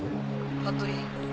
服部。